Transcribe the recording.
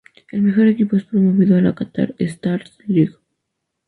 El mejor equipo es promovido a la Qatar Stars League.